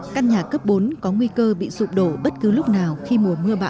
căn nhà cấp bốn có nguy cơ bị sụp đổ bất cứ lúc nào khi mùa mưa bão